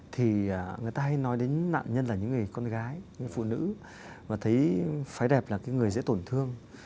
thì người ta hay nói đến nạn nhân là những người con gái những phụ nữ và thấy phái đẹp là cái người dễ tổn thương